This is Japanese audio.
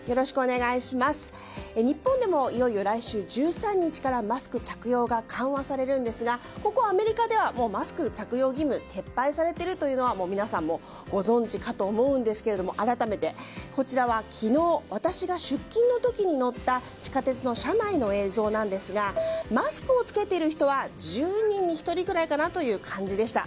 日本でもいよいよ来週１３日からマスク着用が緩和されるんですがここアメリカではもうマスク着用義務撤廃されているというのは皆さんもご存知かと思うんですが改めて、こちらは昨日私が出勤の時に乗った地下鉄の車内の映像なんですがマスクを着けている人は１０人に１人くらいかなという感じでした。